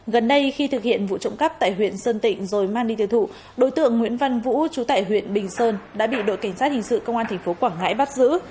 gần đây khi thực hiện vụ trộm cắp tại huyện sơn tịnh rồi mang đi tiêu thụ đối tượng nguyễn văn vũ chú tại huyện bình sơn đã bị đội cảnh sát hình sự công an tp quảng ngãi bắt giữ